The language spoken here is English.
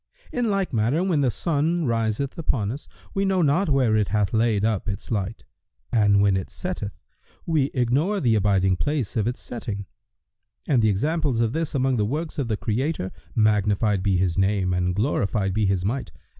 [FN#120] In like manner, when the sun riseth upon us, we know not where it hath laid up its light, and when it setteth, we ignore the abiding place of its setting; and the examples of this among the works of the Creator (magnified be His name and glorified be His might!)